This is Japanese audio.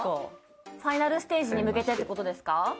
ファイナルステージに向けてってことですか？